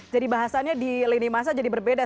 jadi bahasanya di lini masa jadi berbeda